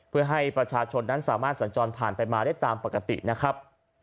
เพื่อให้ประชาชนนั้นสามารถสัญจรผ่านไปมาได้ตามปกตินะครับ